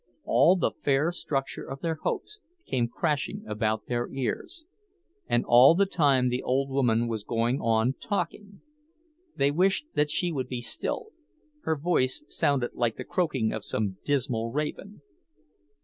All the fair structure of their hopes came crashing about their ears.—And all the time the old woman was going on talking. They wished that she would be still; her voice sounded like the croaking of some dismal raven.